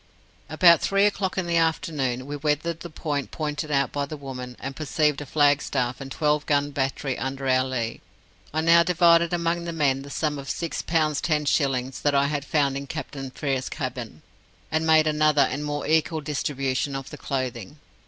"About three o'clock in the afternoon, we weathered the point pointed out by the woman, and perceived a flagstaff and a twelve gun battery under our lee. I now divided among the men the sum of six pounds ten shillings that I had found in Captain Frere's cabin, and made another and more equal distribution of the clothing.